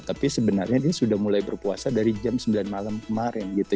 tapi sebenarnya ini sudah mulai berpuasa dari jam sembilan malam kemarin gitu